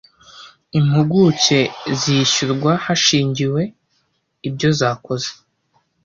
impuguke zishyurwa hashingiwe ibyo zakoze